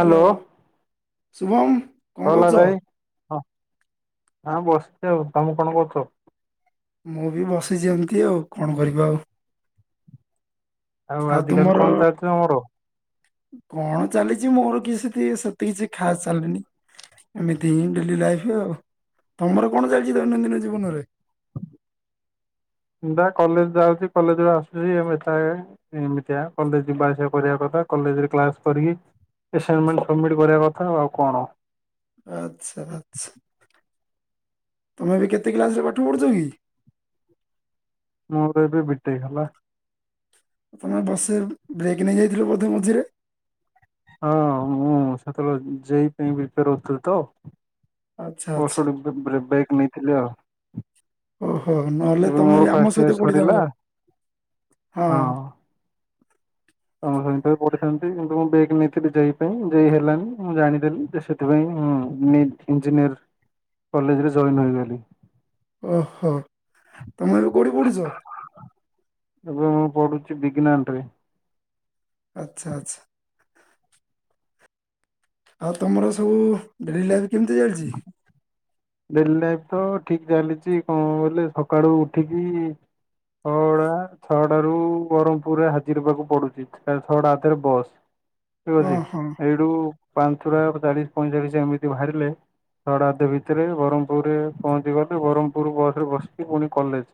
Hello Shubham କହଲା ଭାଇ ହଁ ହଁ ବସିଛି ଆଉ ତମେ କଣ କରୁଛ? ମୁଁ ବି ବସିଛି ଏମିତି ଆଉ କଣ କରିବା ଆଉ। ଆଉ ଆଜିକାଲି ତୁମର କଣ ଚାଲିଛି ତମର? କଣ ଚାଲିଛି ମୋର କି ସେତେ କିଛି ଖାସ୍ ଚାଲିନି। ଏମିତି ହିଁ ଡେଲି ଲାଇଫ୍ ତମର କଣ ଚାଲିଛି ଦୈନନ୍ଦିନ ଜୀବନରେ? ମୁଁ ବା କଲେଜ୍ ଯାଉଛି କଲେଜରୁୁ ଆସୁଛି ଏମିତିଆ କଲେଜ ଲାଇଫ ରେ କରିବା କଥା କଲେଜରେ କ୍ଲାସ କରିକି ଏସାଇନମେଣ୍ଟ ସବମିଟ୍ କରିବା କଥା ଆଉ କଣ। ଆଛା ଆଛା ତମେ ବି କେତେ କ୍ଲାସରେ ପାଠ ପଢ଼ୁଛ କି? ମୋର ଏବେ ବିଟେକ୍ ହେଲା। ତମେ ବର୍ଷେ ବ୍ରେକ୍ ନେଇଯାଇଥିଲ ବୋଧେ ମଝିରେ? ହଁ ମୁଁ ସେତେବେଳେ ଜେଇ ପାଇଁ ପ୍ରିପର ହଉଥିଲ ତ ଆଚ୍ଛା ଆଚ୍ଛା ବର୍ଷେ ବ୍ରେକ୍ ନେଇଥିଲି ଆଉ [inaudible] ଓହୋ ନହେଲେ ଏବେ ତମେ ମୋର ବି ଆମ ଫାଷ୍ଟ ଇୟର ସହିତ ସରିଲା ପଢ଼ିଥାନ୍ତ ହଁ। ହଁ ପଢ଼ିଥାଛନ୍ତି କିନ୍ତୁ ମୁ ମ ଯ ପାଇଁ ଯ ହେଲାନ ମୁଁ ଜାଣିଦେଲି ସେଥିପାଇଁ ମୁଁ ଇଞ୍ଜିନିୟର [inaudible] କଲେଜରେ ଜଏନ୍ ହେ। ଓହୋ ତମେ ଏବେ କଉଠି ପଢୁଛ? ମୁଁ ପଢ଼ୁଛି ବିଗ୍ନଟରେ। ଆଚ୍ଛା ଆଚ୍ଛା। ଆଉ ତମର ସବୁ ଡେଲି ଲାଇଫ୍ କେମିତି ଚାଲିଛି? ଡେଲି ଲାଇଫ ତ ଠିକ୍ ଚାଲିଛି କଣ କଲେ ସକାଳୁ ଉଠିକି ଛଅଟା ରୁ ବରମ୍ପୁରରେ ହାଜିର ହେବାକୁ ପଡୁଛି କାଇଁ ଛଅଟା ଅଧରୁ ବସ୍। [inaudible] ଠିକ୍ ହଁ ଅଛି ହଁ ଏଇଠୁ ପାଞ୍ଚଟା ଚାଳିଶ ପଇଁଚାଳିଶ ଏମିତି ବାହାରିଲେ ଛଅଟା ଅଧରେ ଏଥିରେ ବି ବରମ୍ପୁର ରେ ପହଞ୍ଚି ପାଇଁ ବାରମ୍ପୂର୍ ବସ୍ ରେ ବସିକି ପୁଣି କଲେଜ୍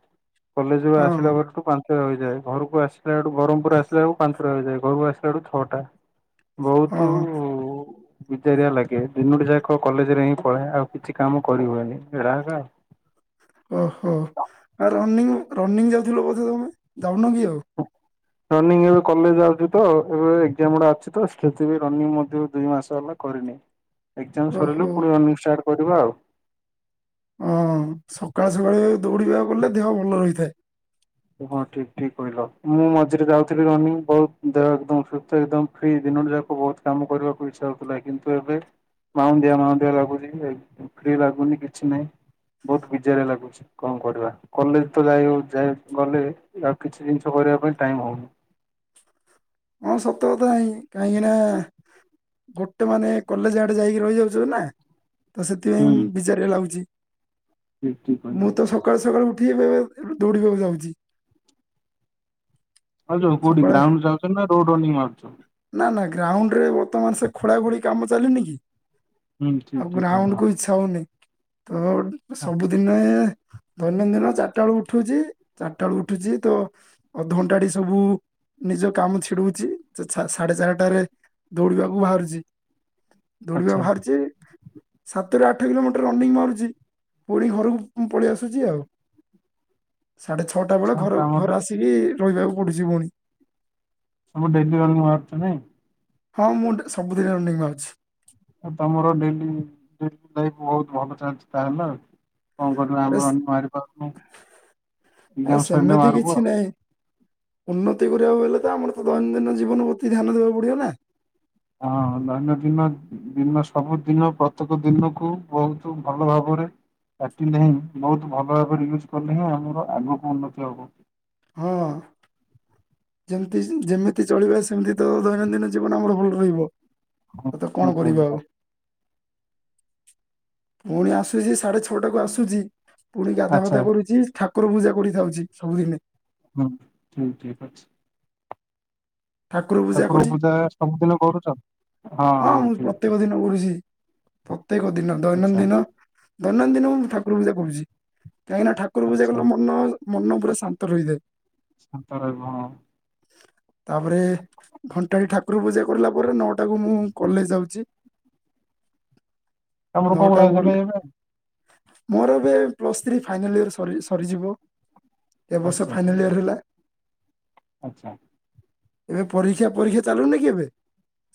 କଲେଜ୍ ରୁ ହଁ ଆସିଲା ବେଳୁ ପାଞ୍ଚ ହୋଇଯାଏ ଘରକୁ ଆସିଲା ବେଳକୁ ବରମ୍ପୁର ଆସିଲା ବେଳୁ ପାଞ୍ଚଟା ହୋଇଯାଏ ଘରୁ ଆସିଲା ବେଳକୁ ଛଅଟା। ବହୁତ ହଁ ବିଜାରିଆ ଲାଗେ ଦିନଟି ଯାକ କଲେଜ୍ ରେ ହିଁ ପଢ଼େ ଆଉ କିଛି କାମ କରିହୁଏନି। ଓହୋ ଆଉ ରନିଙ୍ଗ ରନିଙ୍ଗ ଯାଉଥିଲ ବୋଧେ ତମେ ଯାଉନ କି ଆଉ? ରନିଂ ଏବେ କଲେଜ ଯାଉଛି ତ ଓଏ ଏକ୍ଜାମ ଗୁଡ଼ା ଅଛି ତ ସେଥି ପାଇଁ ଦୁଇ ମାସ ହେଲା କରିନି। ଏକ୍ଜାମ ଓହୋ ସରିଲେ ପୁଣି ରନିଂ ଷ୍ଟାର୍ଟ କରିବା। ହଁ, ସକାଳେ ସକାଳେ ଦୌଡ଼ିବାକୁ ଗଲେ ଦେହ ଭଲ ହୋଇଥାଏ। ହଁ ଠିକ୍ ଠିକ୍ କହିଲ, ମୁଁ ମଝିରେ ଯାଉଥିଲି ରନିଂ ବହୁତ୍ ଦେହ ଏକଦମ୍ ସୁସ୍ଥ ଏକଦମ୍ ଫ୍ରି ଦିନଟି ଯାକ ବହୁତ୍ କାମ କରିବାକୁ ଇଚ୍ଛା ହଉଥିଲା, କିନ୍ତୁ ଏବେ ମାନ୍ଦା ମାନ୍ଦା ଲାଗୁଛି ଯେ ଫ୍ରି ଲାଗୁନି କିଛି ନହିଁ। ବହୁତ୍ ବିଜାରିଆ ଲାଗୁଛି କଣ କରିବା କଲେଜ୍ ତ ଯାଇ ଯାଇ ଗଲେ ଆଉ କିଛି ଜିନିଷ କରିବା ପାଇଁ ଟାଇମ୍ ହଉନି। ହଁ ସତ କଥା କାହିଁକିନା ଗୋଟେ ମାନେ କଲେଜ୍ ଆଡ଼େ ଯାଇକି ରହିଯାଉଛ ନା ତ ହୁଁ ସେଥିପାଇଁ ବିଜାରିଆ ଲାଗୁଛି, ଠିକ ଠିକ କହିଲ ମୁଁ ତ ସକାଳୁ ସକାଳୁ ଉଠି ଗଲେ ଦଉଡ଼ି ଦଉଡ଼ି ଯାଉଛି। ହଉ, ଯୋଉ କୋଉଠି ସକାଳେ ଗ୍ରାଉଣ୍ଡ ଯାଉଛ ନା, ରୋଡ଼ ରନିଙ୍ଗ ମାରୁଛ?। ନା, ନା, ଗ୍ରାଉଣ୍ଡ ରେ ବର୍ତ୍ତମାନ ସେ ଖୋଳା ଖୋଳି କାମ ଚାଲିନି କି, ହୁଁ ଠିକ ଆଉ ଠିକ କହିଲ ଗ୍ରାଉଣ୍ଡ କୁ। ଇଛା ହଉନି, ତ ଆଚ୍ଛା ସବୁଦିନି। ମାନେ ଦୈନନ୍ଦିନ ଚାରିଟା ବେଳୁ ଉଠୁଛି, ଚାରିଟା ବେଳକୁ ଉଠୁଛି ତ। ଅଧଘଣ୍ଟା ଟି ସବୁ ନିଜ କାମ। ଚିଡିହଉଛି। ସେ ସାଢେ ଚାରିଟାରେ ଦୌଡିବାକୁ ବାହାରୁଛି!। ଦୌଡିବାକୁ ଆଚ୍ଛା ବାହାରୁଛି!। ସାତରୁ ଆଠ କିଲୋମିଟର ରନିଂ ମାରୁଛି, ପୁଣି ଘରକୁ ପଳେଇ ଆସୁଛି ଆଉ!। ସାଢେ ଛଅଟା ବେଳେ ଘର ତମର ଘରେ ଆସିକି ରହିବାକୁ ପଡୁଛି ପୁଣୀ!। ସବୁ ଡେଲି ମାନେ ବାହାରୁଛନ୍ତିଁ?। ହଁ, ମୁଁ ଡେଲି। ସବୁ ଦିନ ରାଉଣ୍ଡିଙ୍ଗ ମାରୁଛି! ଆଉ ତମର ଡେଲି, ଡେଲି ଲାଇଫ୍, ବହୁତ୍ ଭଲ ଚାଲିଛି ତାହଲେ ଆଉ!। କଣ କରିବ, ଆରେ ଆମର ଏଇନେ ବାହାରି ପାରୁନୁ, ଆରେ ଏଜାମ୍ ସରିଲେ ସେମିତି ବାହାରିବୁ କିଛି ଆଉ!। ନାହିଁ ଉନ୍ନତି କରିବାକୁ ହେଲେ ତ ଆମର ତ ଦୈନନ୍ଦିନ ଜୀବନ ପ୍ରତି ଧ୍ୟାନ ଦବାକୁ ପଡିବ ନା! ହଁ ଦୈନଦିନ। ଦିନ ସବୁଦିନ ପ୍ରତ୍ୟେକ ଦିନକୁବହୁତ୍ ଭଲ ଭାବରେ। କାଟିଲେ ହିଁ, ବହୁତ୍ ଭାବରେ ୟୁଜ୍ କଲେ ହିଁ, ଆମର ଆଗକୁ ଉନ୍ନତି ହବ। ହଁ! ଯେମତି। ଯେମିତି ଚଳିବେ ସେମିତି ତ ଦୈନନ୍ଦିନ ଜୀବନ ଆମର ଭଲ ରହିବ। ହଁ ତତେ ଠିକ କଣ କରିବ କହିଲେ ଆଉ। ପୁଣି ଆସୁଛି। ସାଢେ ଛଅଟାକୁ ଆସୁଛି! ପୁଣି ଗାଧୁଆ ଆଚ୍ଛା ପାଧୁଆ କରୁଛି। ଠାକୁର ପୂଜା କରିଯାଉଛି ସବୁଦିନେ! ହୁଁ, ଠିକ। ଠିକ୍ ଅଛି! ଠାକୁର ପୂଜା ସବୁଦିନ କରୁଛ। ହଁ, ହଁ, ଠିକ୍! ପ୍ରତ୍ୟେକ ଦିନ କରୁଛି। ପ୍ରତ୍ୟେକ ଦିନ, ଆଚ୍ଛା ଦୈନଦିନ, ଦୈନଦିନ ମୁଁ ଠାକୁର ପୂଜା କରୁଛି! କାହିଁକିନା ଠାକୁର ପୂଜା ଆଚ୍ଛା। କଲେ ମନ। ମନ ପୁରା ଶାନ୍ତ ରହିଯାଏ! ସାନ୍ତ ରହିବ ହଁ! ତାପରେ ଘଣ୍ଟାଏ ଠାକୁର ପୂଜା କିଲା ପରେ, ନଅଟାକୁ ମୁଁ। କଲେଜ୍ ଯାଉଛି।, ତମର କୋଉ ଭଳିଆ ନଅଟାକୁ ଥିଲେ ଗଲେ। ଏବେ ମୋର ଏବେ ପ୍ଲସ୍ ଥ୍ରୀ ଫାଇନାଲ୍ ଇୟର ସରିଯି।, ଏ ବର୍ଷ ଆଚ୍ଛା ଫାଇନାଲ୍ ଠିକ ଇୟର ହେଲା! ଆଚ୍ଛା। ଏବେ ପରୀକ୍ଷା। ପରୀକ୍ଷା ଚାଲୁନି କି ଏବେ।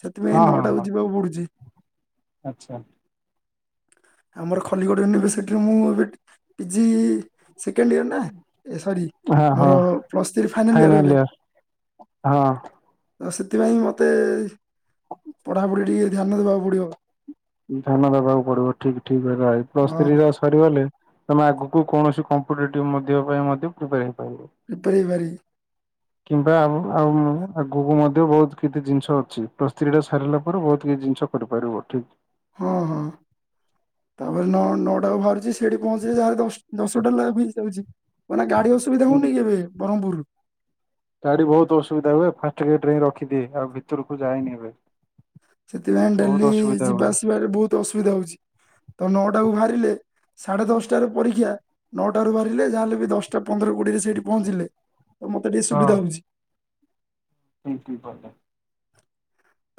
ସେଥିପାଇଁ ହଁ ହଁ ନଅଟାକୁ ହଁ ଯିବାକୁ ପଡୁଛି! ଆଚ୍ଛା। ଆମର ଖଲିକୋଟ୍ ୟୁନିଭର୍ସିଟିରେ, ମୁଁ ଏବେ ପିଜି। ସେକେଣ୍ଡ ଇୟର ନା, ଏ ସରି, ହଁ ହଁ ମୋର ପ୍ଲସଥ୍ରୀ ଫାଇନାଲ୍ ଇୟର ଏବେ। ହଁ! ଆଉ ସେଥିପାଇଁ ମତେ ପଢ଼ାପଢି ଟିକେ ଧ୍ୟାନ ଦେବାକୁ ପଡିବ! ଧ୍ୟାନ ଦବାକୁ ପଡିବ। ଠିକ୍ ଠିକ୍ ଭାଇ, ପ୍ଲସ ହଁ ଥ୍ରୀ ର। ସରିଗଲେ,। ତମେ ଆଗକୁ କୌଣସି କମ୍ପିଟେଟିଭ୍ ମଧ୍ୟ ପାଇଁ ମଧ୍ୟ ପ୍ରିପେୟାର୍ ହେଇ ପାରିବ। ପ୍ରିପାର ହେଇପାରିବ। କିମ୍ବା ଆଉ ଆଗକୁ ମଧ୍ୟ ବହୁତ୍ କିତି ଜିନ୍ଷ ଅଛି, ପ୍ଲସ୍ ଥ୍ରୀ ଟା ସାରିଲା ପରେ ବୋହୁତ୍ କିଛି ଜିନ୍ଷ। କରିପାରିବ ଠିକ୍। ହଁ ହଁ। ତାପରେ ନ ନଅଟାକୁ ଭାରୁଚି ସେଠି ପହଞ୍ଚିଲେ ଯାହା ହେଲେ ଦଶ୍ ଦଶଟା ଲାବ୍ ହେଇଯାଉଚି। ମାନେ ଗାଡି ଅସୁବିଧା ହୁଁ। ହୋଉନି କି ଏବେ ବରମପୁର୍ ରୁ। ଗାଡ଼ି ବୋହୁତ୍ ଅସୁବିଧା ହୁଏ ଫାଷ୍ଟ ଗେଟ୍ ରେ ହିଁ ରଖିଦିଏ,। ଆଉ ଭିତୁରୁକୁ ଯାଏନି ଏବେ। ସେଥିପାଇଁ ବହୁତ ଡେଲି ଅସୁବିଧା ଯିବା ହୁଏ ଆସିବାରେ ବୋହୁତ୍ ଅସୁବିଧା ହୋଉଛି ତ ନଅଟାକୁ ଭାରିଲେ ସାଢେ ଦଶଟାରେ ପରୀକ୍ଷା ନଅଟାରୁ ବାହାରିଲେ ଯାହାହେଲେ ବି ଦଶ୍ଟା ପନ୍ଦର କୋଡିଏରେ ସେଇଠି ପହଞ୍ଚିଲେ ତ ମତେ ଟିକେ ସୁବିଧା ହୋଉଛି। ଟୁଙ୍କୁ ପଦେ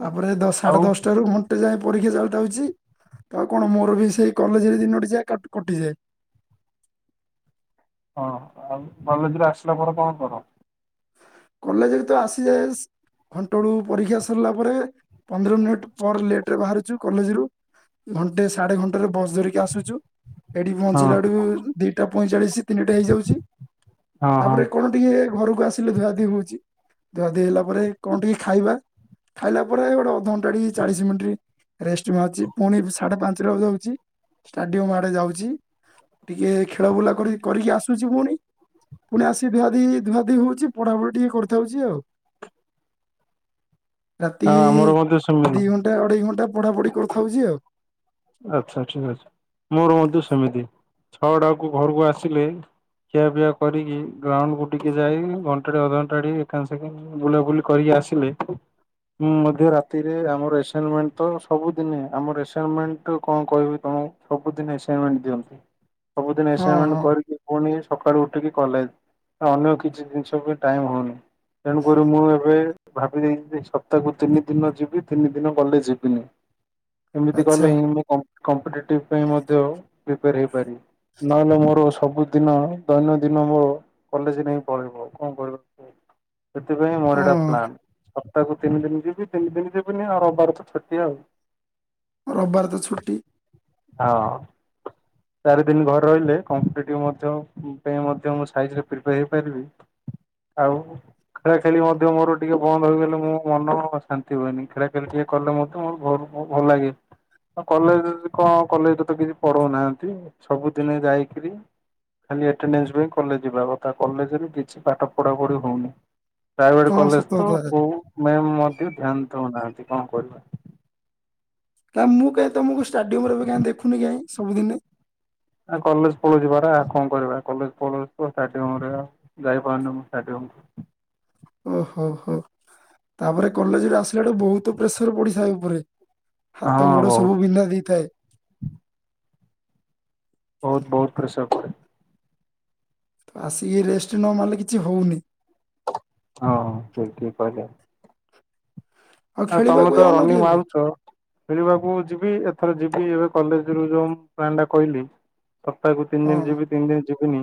ତାପରେ ଦଶ୍ ସାଢ଼େ ଆଉ ଦଶ୍ଟାରୁ ଘନ୍ ଣ୍ଟେ ଯାଏ ପରୀକ୍ଷା ଚାଲତା ହୋଇଛି ଆଉ କଣ ମୋର ବି ସେଇ କଲେଜରେ ଦିନ ଯା କା କଟିଯାଏ। ହଁ ଆଉ କଲେଜ ରୁ ଆସିଲା ପରେ କଣ କର? କଲେଜେ ରୁ ତ ଆସିଯାଏସ୍ ଘଣ୍ଟେ ଏଳୁକୁ ପରୀକ୍ଷା ସରିଲା ପରେ ପନ୍ଦର ମିନିଟ୍ ପର୍ ଲେଟ୍ ରେ ବାହାରୁଚୁ କଲେଜ୍ ରୁ। ଘଣ୍ଟେ ସାଢେ ଘଣ୍ଟେ ରେ ବସ୍ ଧରିକି ଆସୁଚୁ ଏଠି ହଁ ପହଞ୍ଚିଲା ଠୁ ଦିଟା ପଇଁଚାଳିଶ ତିନିଟା ହେଇଯାଉଛି ହଁ ହଁ ତାପରେ କଣ ଟିକେ ଘରୁକୁ ଆସିଲେ ଧୁଆ ଧିହୁଛି ଧୁଆ ଧୁଇ ହେଲା ପରେ କଅଁ ଟିକେ ଖାଇବା ଖାଇଲା ପରେ ଗୋଟେ ଅଧଘଣ୍ଟା ଟି ଚାଳିଶି ମିନ୍ଟି ରେଷ୍ଟ ମାରୁଚି ପୁଣି ସାଢେ ପାଞ୍ଚ୍ ର ଯାଉଚି ଷ୍ଟାଡିୟମ୍ ଆଡେ ଯାଉଚି। ଟିକେ ଖେଳ ବୁଲା କରିକି କରିକି ଆସୁଛି ପୁଣି ପୁଣି ଆସିିକି ଧୂଆ ଧୁଇ ଧୂଆ ଧୁଇ ହୋଉଛି। ପଢାପଢି ଟିକେ କରିଥାଉଛି ଆଉ। ରାତି ଆଉ ଆମର ମଧ୍ୟ ସେମିତି ଦି ଘଣ୍ଟା ଅଢେଇ ଘଣ୍ଟା ପଢାପଢି କରିଥାଉଚି ଆଉ। ଆଚ୍ଛା ଆଚ୍ଛା ଆଚ୍ଛା ମୋର ମଧ୍ୟ ସେମିତି ଛଅ ଟାକୁ ଘରୁକୁ ଆସିଲେ ଖିଆ ପିଆ କରିକି ଗ୍ରାଉଣ୍ଡକୁୁ ଟିକେ ଯାଇ ଘଣ୍ଟା ଟେ ଅଧ ଘଣ୍ଟାଟି ଏକାମ ସେକିଙ୍ଗ ବୁଲାବୁଲି କରିକି ଆସିଲେ ମୁଁ ମଧ୍ୟ ରାତିରେ ଆମର ଏସେନ୍ମେଣ୍ଟ ତ ସବୁଦିନେ ଆମର ଏସେନ୍ମେଣ୍ଟ ଟୁ କଅଁ କହିବି ତମକୁ ସବୁଦିନେ ଏସାଇମେଣ୍ଟ ଦିଅନ୍ତି ସବୁଦିନେ ହଁ ଏସାଇମେଣ୍ଟ ହଁ କରିକି ପୁଣି ସକାଳୁ ଉଠିକି କଲେଜ୍ ତ ଅନ୍ୟ କିଛି ଜିନିଷ ବି ଟାଇମ୍ ହୋଉନି। ତେଣୁକରି ମୁଁ ଏବେ ଭାବି ଦେଇଚି ଯେ ସପ୍ତାକୁ ତିନି ଦିନ ଯିବି ତିନି ଦିନ କଲେଜ୍ ଯିବିନି। ଏମିତି କଲେ ଆଚ୍ଛା ହିଁ ମୁଁ କମ୍ପ କମ୍ପିଟେଟିଭ୍ ପାଇଁ ମଧ୍ୟ ପ୍ରିପେୟାର ହେଇପାରି ନହେଲେ ମୋର ସବୁଦିନ ଦୈନନ୍ଦିନ ମୋ କଲେଜ୍ ନେଇକି ପଳେଇବ କଅଁ କଇବ। ସେଥିପାଇଁ ମୋର ହଁ ଏଟା ପ୍ଲାନ୍ କ ସପ୍ତା କୁ ତିନି ଦିନି ଯିବି ତିନି ଦିନ ଯିବିନି ଆଉ ରବବାର୍ ତ ଛୁଟି ଆଉ। ରବବାର୍ ତ ଛୁଟି। ହଁ। ଚାରି ଦିନି ଘରେ ରହିଲେ କମ୍ପିଟେଟିଭ୍ ମଧ୍ୟ ଉଁ ପାଇଁ ମଧ୍ୟ ମୁଁ ସାଇଜ୍ ରେ ପ୍ରିପେୟାର୍ ହେଇପାରିବି। ଆଉ ଖେଳା ଖେଳି ମଧ୍ୟ ମୋର ଟିକେ ବନ୍ଦ୍ ହୋଇଗଲେ ମୋ ମନ ଶାନ୍ତି ହୁଏନି ଖେଳା ଖେଳି ଟିକେ କଲେ ମଧ୍ୟ ମୋର ଭୋରୁ ମୋ ଭଲ୍ ଲାଗେ। ହଁ କଲେଜ୍ ରେ ଯେଦି କଁ କଲେଜ୍ ରେ ତ କିଛି ପଢୋଉନାହାଁନ୍ତି ସବୁଦିନେ ଯାଇକିରି ଖାଲି ଏଟେଣ୍ଡେନ୍ସ ପାଇଁ କଲେଜ୍ ଯିବା କଥା କଲେଜ୍ ରୁ କିଛି ପାଠ ପଢା ପଢି ହୋଉନି। ପ୍ରାଇଭେଟ୍ ହଁ କଲେଜ୍ ସତ ତ କଥା କୋଉ ମ୍ୟାମ ମଧ୍ୟ ଧ୍ୟାନ୍ ଦୋଉ ନାହାଁନ୍ତି କଅଁ କରିବା। କାଇଁ ମୁଁ କାଇଁ ତମୁକୁ ଷ୍ଟାଡିୟମ୍ ରେ ଏବେ କାଇଁ ଦେଖୁନି କାଇଁ ସବୁଦିନେ? ଆ କଲେଜ୍ ପଳୋଉଚି ପରା କଁ କରିବା କଲେଜ୍ ପଳୋଉଚି ତ ଷ୍ଟାଡିୟମ୍ ରେ ଯାଇ ପାହନି ମୁଁ ଷ୍ଟାଡିୟମ୍। ଓହୋ ହୋ ହୋ ତାପରେ କଲେଜ୍ ରୁ ଆସିଲାଳୁ ବୋହୁତ୍ ପ୍ରେସର ପଡିଶା ଉପରେ। ହାତ ହଁ ଗୋଡ ବହୁତ ସବୁ ବିନ୍ଧା ଦେଇଥାଏ। ବୋହୁତ୍ ବୋହୁତ୍ ପ୍ରେସର୍ ପଡେ। ଆସିକି ରେଷ୍ଟେ ନମାରିଲେ କିଛି ହଉନି। ହଁ ପୁରା ଠିକ କହିଲେ। ଆଉ ତମେ ଖେଳିବାକୁ ତ ଯାଉନ କି ରନି ଏବେ ମାରୁୁଚ ଖେଳିବାକୁ ଯିବି, ଏଥର ଯିବି ଏବେ କଲେଜ ରୁ ଯୋଉ ମୁଁ ପ୍ଲାନ୍ ଟା କହିଲି ସପ୍ତାହକୁ ତିନି ଦିନ ହଁ ଯିବି, ତିନି ଦିନ ଯିବିନି,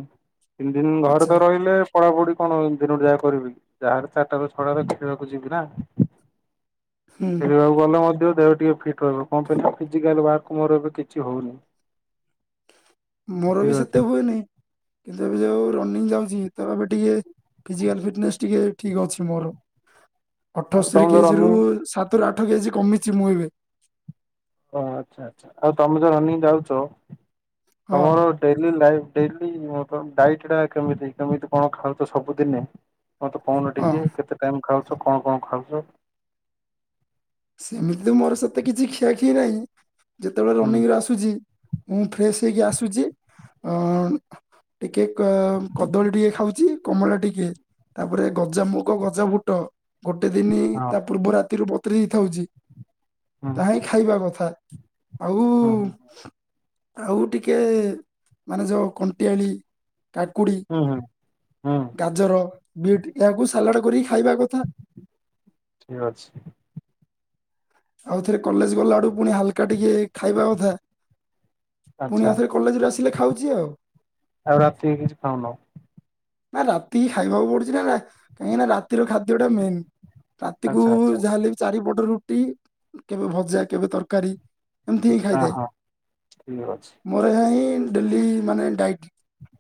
ତିନି ଦିନ ଘରେ ଆଚ୍ଛା ତ ରହିଲେ ପଢାପଢି କଣ ଦିନଟି ଯାଏ କରିବି? ଯାହା ହେଲେ ଚାରିଟାରୁ ଛଅଟା ଖେଳିବାକୁ ଯିବି ନା? ହୁଁ ଖେଳିବାକୁ ଗଲେ ମଧ୍ୟ ଦେହ ଟିକେ ଫିଟ୍ ରହିବ, କଣ କହିଲ, ଫିଜିକାଲୱାର୍କ ମୋର ଏବେ କିଛି ହଉନି। [inaudible] ମୋର ବି ଠିକ୍ ସେତେ ଅଛି ହୁଏନି। କିନ୍ତୁ ଏବେ ଯୋଉ ରନିଙ୍ଗି ଯାଉଚି, ତ ଏବେ ଟିକେ ଫିଜିକାଲ୍ ଫିଟନେସ୍ ଟିକେ ଠିକ୍ ଅଛି ମୋର। [inaudible] ଅଠସ୍ତରୀ ତମେ ଯୋଉ କେଜି ରୁ ରନିଂ ସାତରୁ ଆଠ କେଜି କମିଚି ମୁଁ ଏବେ। ଓ ଆଛା ଆଛା, ଆଉ ତମେ ଯେଉ ରନିଙ୍ଗି ଯାଉଚ, ହଁ ତମର ଡେଲି ଲାଇଟ୍, ଡେଲି ଡାଇଟି ଟା କେମିତି, କେମିତି କଣ ଖାଉଚ ସବୁଦିନେ? ମତେ କହୁନ ହଁ ଟିକେ, କେତେ ଟାଇମ୍ ଖାଉଚ, କଣ କଣ ଖାଉଚ? ସେମିତି ତ ମୋର ସହିତ କିଛି ଖିଆ ଖିଇ ନାହିଁ, ଯେତେବେଳେ ହୁଁ ରନିଙ୍ଗ୍ ରେ ଆସୁ ଆସୁଚି, ମୁଁ ଫ୍ରେଶ୍ ହେଇକି ଆସୁଚି, ଅ ଅ ଟିକେ କଦଳୀ ଟିକେ ଖାଉଚି, କମଳା ଟିକେ ତାପରେ ଗଜାମୁଗ, ଗଜାବୁଟ ଗୋଟେ ଦିନି ହଁ ତା ପୂର୍ବ ରାତିରୁ ବତୁରେଇକି ଖାଉଚି, ହୁଁ। ତାହା ହିଁ ଖାଇବା କଥା, ଆଉ ହୁଁ ହୁଁ। ଆଉ ଟିକେ, ମାନେ ଯୋଉ କଣ୍ଟିଆଳି କାକୁଡି ହୁଁ ହୁଁ ହୁଁ ଗାଜର, ବିଟ୍ ଏହାକୁ ସାଲାଡ଼ କରିକି ଖାଇବା କଥା। ଠିକ୍ ଅଛି। ଆଉ ଥରେ କଲେଜ୍ ଗଲା ଆଡ଼କୁ ପୁଣି ହାଲ୍କା ଟିକେ ଖାଇବା କଥା। ଆଚ୍ଛା ପୁଣି ଆଉଥରେ କଲେଜରୁ ଆସିଲେ ଖାଉଚି ଆଉ। ଆଉ ରାତିରେ କିଛି ଖାଉନ? ନା ରାତିକି ଖାଇବାକୁ ପଡୁଚି ନା, କାହିଁକି ନା ରାତିର ଖାଦ୍ୟ ଟା ମେନ୍। ରାତିକୁୁ ଆଚ୍ଛା ଆଚ୍ଛା ଯାହା ହେଲେ ବି ଚାରିପଟ ରୁଟି, କେବେ ଭଜା, କେବେ ତରକାରୀ ଏମତି ହିଁ ହଁ ଖାଇଥାଏ, ହଁ ଠିକ୍ ଅଛି। ମୋର ଏହା ହିଁ ଡେଲି ମାନେ ଡାଇଟି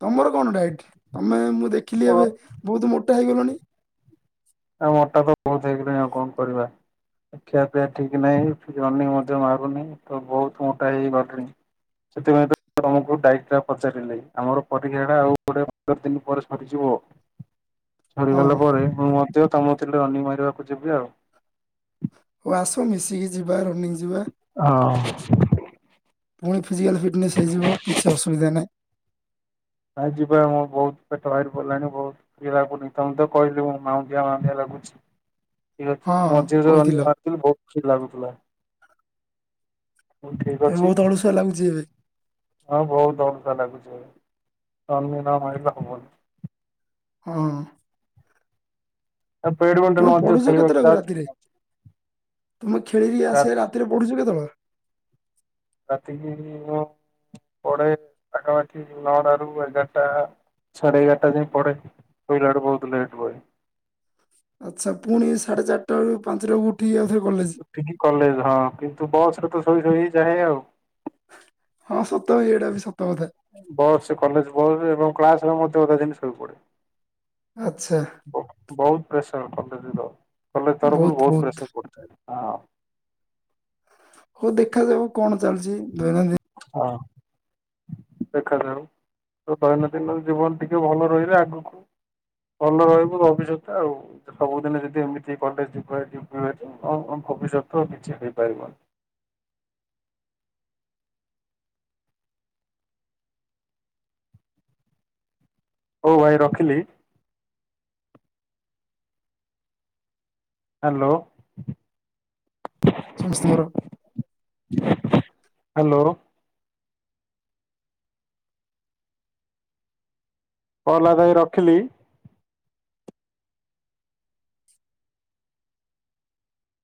ତମର କଣ ଡାଇଟି? ତମେ ମୁଁ ଦେଖିଲି ଏବେ ବହୁତ୍ ମୋଟା ହେଇଗଲଣି। ଆଉ ମୋଟା ତ ବହୁତ ହେଇଗଲିଣି, ଆଉ କଣ କରିବା? ଖିଆପିଆ ଠିକ୍ ନାହିଁ, ରନିଙ୍ଗି ମଧ୍ୟ ମାରୁନି, ତ ବହୁତ୍ ମୋଟା ହେଇ ହେଇଗଲିଣି। ସେଥିପାଇଁ ତ ତମକୁ ଡାଇଟ୍ ଟା ପଚାରିଲି, ଆମର ପରୀକ୍ଷାଟା ଆଉ କୋଡିଏ ପନ୍ଦର୍ ଦିନି ପରେ ସରିଯିବ ହଁ ସରିଗଲା ପରେ, ମୁଁ ମଧ୍ୟ ତମ କତିକି ରନିଙ୍ଗି ମାରିବାକୁ ଯିବି ଆଉ। ହଉ ଆସ, ମିଶିକି ଯିବା, ରନିଙ୍ଗ୍ ଯିବା। ହଁ ପୁଣି ଫିଜିକାଲ୍ ଫିଟନେସ୍ ହୋଇଯିବ, କିଛି ଅସୁବିଧା ନାହିଁ। ନାଇଁ ଯିବା, ମୁଁ ବହୁତ୍ ପେଟ ଭାରିପଡ଼ିଲାଣି, ବହୁତ୍ ଯିବା ବେଲି ତମକୁ ତ କହିଲି ମୁଁ, ମାଉନ୍ଦିଆ ମାଉନ୍ଦିଆ ଲାଗୁଚି। ଠିକ୍ ଅଛି, ହଁ ମଝିରେ ଯୋଉ କହିଥିଲ ରନିଙ୍ଗ୍ ମାରୁଥିଲି, ବହୁତ୍ ଫ୍ରୀ ଲାଗୁଥିଲା। ହେଉ ଠିକ୍ ଏବେ ଅଛି, ବହୁତ ଅଳସୁଆ ଲାଗୁଛି ଏବେ ହଁ ବହୁତ ଅଲଗା ଲାଗୁଚି ଏବେ। ରନିଙ୍ଗ୍ ନ ମାଇଲେ ହବନି। ହୁଁ ଉଁ ଆଉ ପେଡୁଆ ତମେ ପଢୁଛ କେତେଟାକୁ ରାତିରେ ତମେ ଖେଳିକି ଆସିକି ରାତିରେ ପଢୁଛ କେତେବେଳେ। ରାତିକି ମୁ ପଡେ ପାଖାପାଖି ନଅଟାରୁ ଏଗାରଟା। ସାଢେ ଏଗାରଟା ଯାଏଁ ପଡେ ଶେଇଲା ବେଳକୁ ବହୁତ ଲେଟ୍ ହୁଏ। ଆଚ୍ଛା ପୁଣି ସାଢ଼େ ଚାରିଟାରୁ ପାଞ୍ଚଟା ବକୁ ଉଠିକି ଆାଉଥରେ କଲେଜ। ଏଠି କଲେଜ ହଁ କିନ୍ତୁ ବସ୍ ରେ ତ ଶୋଇ ଶୋଇ ଯାଏ ଆଉ। ହଁ ସତ ଏଇଟା ବି ସତ କଥା। ବସ୍ କଲେଜ ବସ ଏବଂ କ୍ଲାସ [unintelligible] ଜିନିଷ ପଡେ। ଆଚ୍ଛା। ବହୁତ ପ୍ରେସର କଲେଜ ର କଲେଜ ତରଫରୁ ବହୁତ ପ୍ରେସର ପଥାଏ ହଁ। ହଉ ଦେଖାଯାଉ କଣ ଚାଲିଛି ଦୈନନ୍ଦିନ ହଁ। ଦେଖାଯାଉ ତ ଦୈନନ୍ଦିନ ଜୀବନ ଟିକେ ଭଲ ରହିଲା ଆଗକୁ ଭଲ ରହିବ ଭବିଷ୍ୟତ ଟା ଆଉ। ସବୁଦିନ ଯଦି ଏମିତି କଲେ ଯ ଯ ଭବିଷ୍ୟତ କିଛି ହେଇପାରିବନି। ହଉ ଭାଇ ରଖିଲି। ହ୍ୟାଲୋ। ସଂସ୍କାରର। [inaudible] ହ୍ୟାଲୋ। [unintelligible] ରଖିଲି।